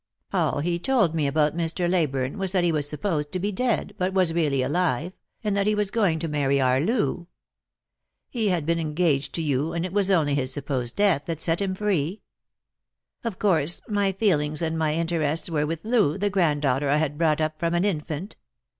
All he told me about Mr. Leyburne 362 Lost for Love. was that he was supposed to be dead, but was really alive, and that he was going to marry our Loo. He had been engaged to you, and it was only his supposed death that set him free. Of course my feelings and my interests were with Loo, the grand daughter I had brought up from an infant.